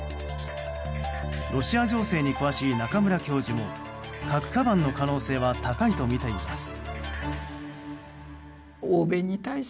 ロシア情勢に詳しい中村教授も核かばんの可能性は高いとみています。